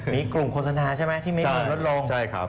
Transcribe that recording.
มีกลุ่มโฆษณาใช่ไหมที่มีเงินลดลงใช่ครับ